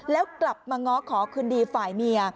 แล้วกลับมาง้อขอคืนดีฝ่ายเมีย